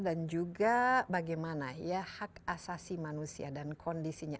dan juga bagaimana hak asasi manusia dan kondisinya